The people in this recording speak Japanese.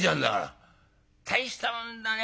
大したもんだね